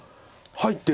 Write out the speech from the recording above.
入ってる！